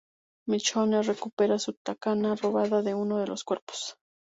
Michonne recupera su katana robada de uno de los cuerpos.